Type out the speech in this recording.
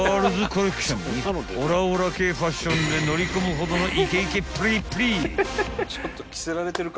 ［オラオラ系ファッションで乗り込むほどのイケイケっぷりっぷり！］